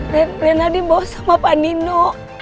rena dibawa sama pak nino